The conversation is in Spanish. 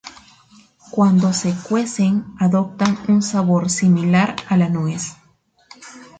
Cuando se cuecen adoptan un sabor similar a la nuez.